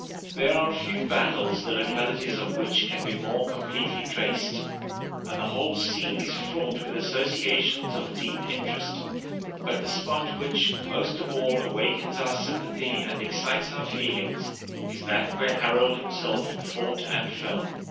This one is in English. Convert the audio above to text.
There are few battles the localities of which can be more completely traced; and the whole scene is fraught with associations of deep interest: but the spot which, most of all, awakens our sympathy and excites our feelings, is that where Harold himself fought and fell.